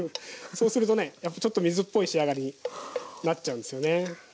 そうするとねちょっと水っぽい仕上がりになっちゃうんですよね。